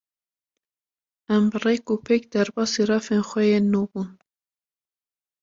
Em bi rêk û pêk derbasî refên xwe yên nû bûn.